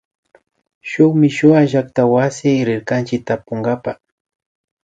Shuk mishuwa llaktakamaywasi rirkanchik tapunkapa